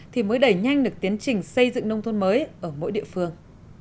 thì mới đẩy nhanh được tiến trình xây dựng nông thôn mới ở mỗi địa phương